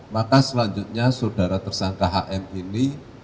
maka selanjutnya saudara tersangka hm ini